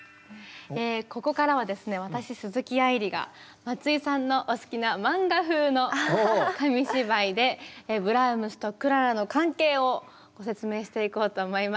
ここからはですね私鈴木愛理が松井さんのお好きな漫画風の紙芝居でブラームスとクララの関係をご説明していこうと思います。